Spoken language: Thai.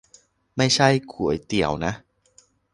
ไม่ใช่ก๋วยเตี๋ยวนะ